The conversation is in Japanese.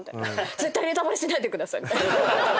絶対ネタバレしないでください！」